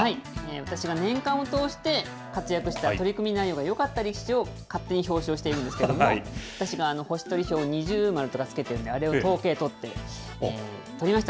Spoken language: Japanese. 私が年間を通して、活躍した取組内容がよかった力士を勝手に表彰しているんですけれども、私が星取表二重丸とかつけてるんで、あれを統計取って、取りました。